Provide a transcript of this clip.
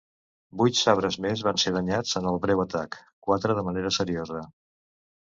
Vuit Sabres més van ser danyats en el breu atac, quatre de manera seriosa.